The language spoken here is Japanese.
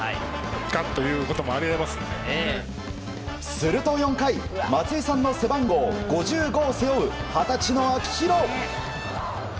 すると４回松井さんの背番号５５を背負う二十歳の秋広。